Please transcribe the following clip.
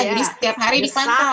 jadi setiap hari disantau